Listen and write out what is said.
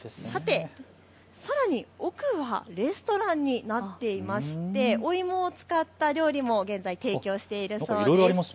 さらに奥はレストランになっていましてお芋を使った料理も現在、提供しているそうです。